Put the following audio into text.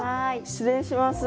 失礼します。